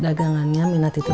dagangannya minah tidur